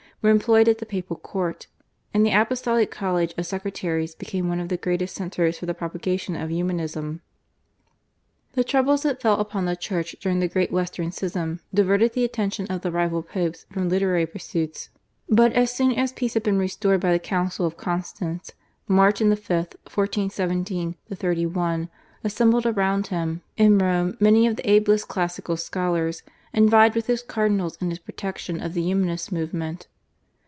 were employed at the Papal court, and the apostolic college of secretaries became one of the greatest centres for the propagation of Humanism. The troubles that fell upon the Church during the Great Western Schism diverted the attention of the rival Popes from literary pursuits; but as soon as peace had been restored by the Council of Constance Martin V. (1417 31) assembled around him in Rome many of the ablest classical scholars, and vied with his cardinals in his protection of the Humanist movement.